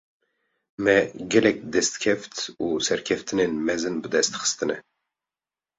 Me, gelek destkeft û serkeftinên mezin bi dest xistine